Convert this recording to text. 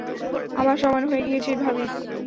আমার সমান হয়ে গিয়েছিস ভাবিস?